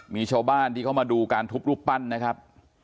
มีชาวบ้านที่เขามาดูการทุบรูปปั้นนะครับ